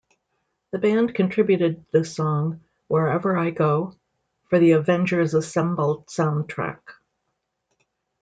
The band contributed the song, "Wherever I Go," for the "Avengers Assemble" soundtrack.